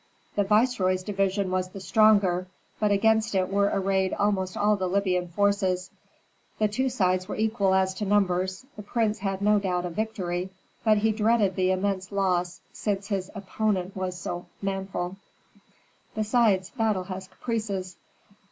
The viceroy's division was the stronger, but against it were arrayed almost all the Libyan forces. The two sides were equal as to numbers; the prince had no doubt of victory, but he dreaded the immense loss since his opponent was so manful. Besides, battle has caprices.